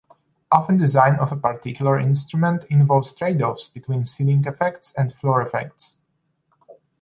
Often design of a particular instrument involves tradeoffs between ceiling effects and floor effects.